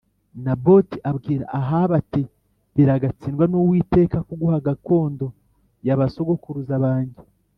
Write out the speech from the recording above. Naboti abwira Ahabu ati “Biragatsindwa n’Uwiteka kuguha gakondo ya ba sogokuruza banjye”